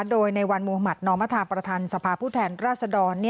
โดยในวันมหมาตย์นมประธานสภาพูดแทนราชดร